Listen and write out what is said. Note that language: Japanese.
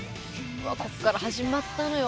こっから始まったのよ